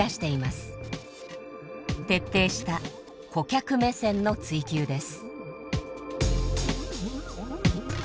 徹底した顧客目線の追求です。